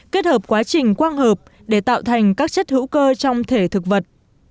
kết hợp quá trình quang hợp để tạo thành các chất hữu cơ trong thể thực vật